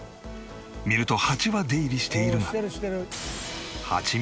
見るとハチは出入りしているが。